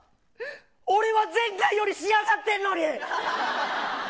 俺は前回より仕上がっているのに。